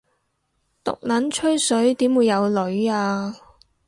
毒撚吹水點會有女吖